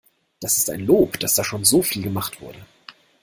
Das ist ein Lob, dass da schon so viel gemacht wurde.